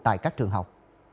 tại các trường học